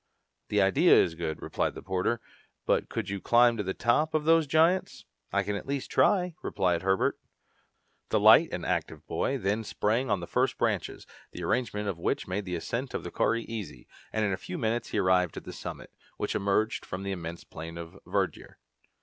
"The idea is good," replied the reporter; "but could you climb to the top of those giants?" "I can at least try," replied Herbert. The light and active boy then sprang on the first branches, the arrangement of which made the ascent of the kauri easy, and in a few minutes he arrived at the summit, which emerged from the immense plain of verdure.